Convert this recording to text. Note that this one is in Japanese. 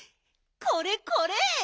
これこれ！